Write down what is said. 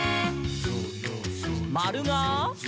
「まるが？」